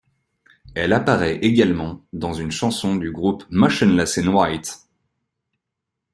Elle apparaît également dans une chanson du groupe Motionless In White.